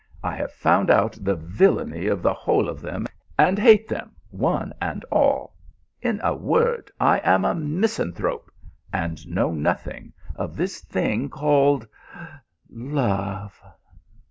I have found out the villainy of the whole of them, and hate them, one and all. In a word, I am a misanthrope, and know nothing of this thing called love."